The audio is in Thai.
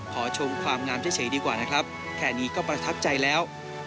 ชมความงามเฉยดีกว่านะครับแค่นี้ก็ประทับใจแล้ว